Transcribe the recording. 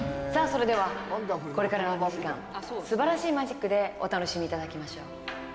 それではこれからすばらしいマジックでお楽しみいただきましょう。